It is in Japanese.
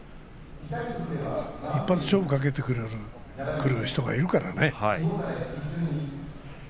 １発、勝負をかけてくる人がいるからね。